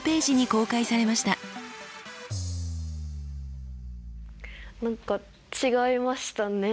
何か違いましたね。